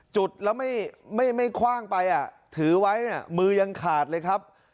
จุดแล้วไม่คว่างไปถือไว้มือยังขาดเลยครับ